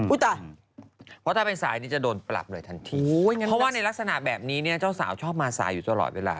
ตายเพราะถ้าเป็นสายนี้จะโดนปรับเลยทันทีเพราะว่าในลักษณะแบบนี้เนี่ยเจ้าสาวชอบมาสายอยู่ตลอดเวลา